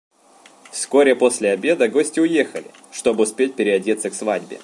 Вскоре после обеда гости уехали, чтоб успеть переодеться к свадьбе.